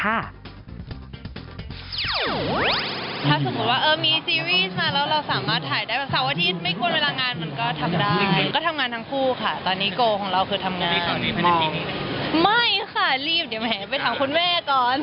ไม่ค่ะรีบเดี๋ยวแหมไปถามคุณแม่ก่อน